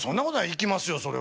行きますよそれは。